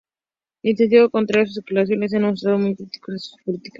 En sentido contrario, sus detractores se han mostrado muy críticos hacia sus políticas.